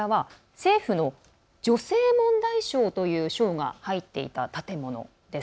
政府の女性問題省という省が入っていた建物です。